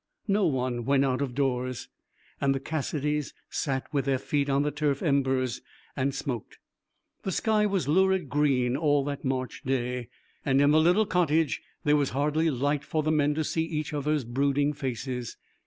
No one went out of doors, and the Cassidys sat with their feet on the turf embers and smoked. The sky was lurid green all that March day, and in the little cottage there was hardly light for the men to see each other's brooding faces.